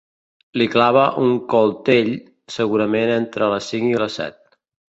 Li clava un coltell, segurament entre les cinc i les set.